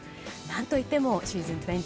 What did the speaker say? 何といってもシーズン２１。